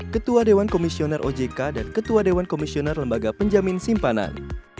ketua dewan komisioner ojk dan ketua dewan komisioner lembaga penjamin simpanan